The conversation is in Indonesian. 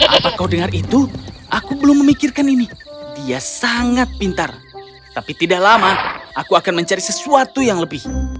apa kau dengar itu aku belum memikirkan ini dia sangat pintar tapi tidak lama aku akan mencari sesuatu yang lebih